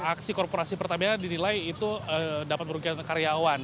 aksi korporasi pertamina dinilai itu dapat merugikan karyawan